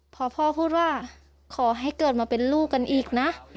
พอพ่อพูดว่าขอให้เกิดมาเป็นลูกกันอีกนะ